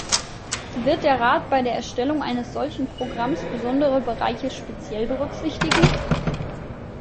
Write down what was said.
Wird der Rat bei der Erstellung eines solchen Programms besondere Bereiche speziell berücksichtigen?